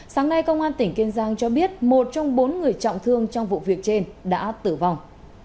sáng nay công an tỉnh kiên giang cho biết một trong bốn người trọng thương trong vụ việc trên đã tử vong